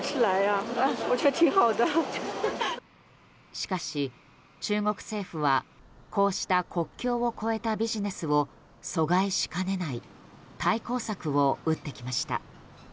しかし、中国政府はこうした国境を越えたビジネスを阻害しかねない対抗策を打ってきました。